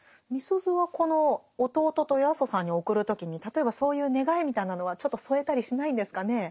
みすゞはこの弟と八十さんに送る時に例えばそういう願いみたいなのはちょっと添えたりしないんですかね。